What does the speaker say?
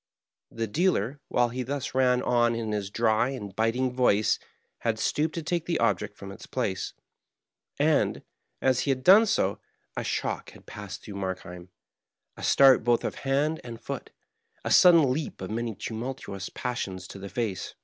• The dealer, while he thus ran on in his dry and bit ing voice, had stooped to take the object from its place ; and, as he had done so, a shock had. passed through Markheim, a start both of hand and foot, a sudden leap of many tumultuous passions to the face.